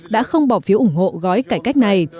đã không bỏ phiếu ủng hộ gói cải cách này